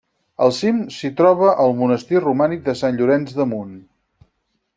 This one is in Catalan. Al cim s'hi troba el Monestir romànic de Sant Llorenç de Munt.